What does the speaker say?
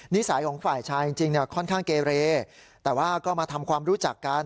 นิสัยของฝ่ายชายจริงค่อนข้างเกเรแต่ว่าก็มาทำความรู้จักกัน